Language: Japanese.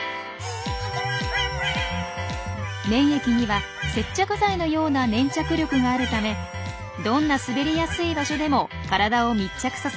粘液には接着剤のような粘着力があるためどんな滑りやすい場所でも体を密着させることができるんです。